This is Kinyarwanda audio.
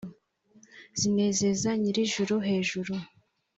Zinezeze Nyirijuru hejuru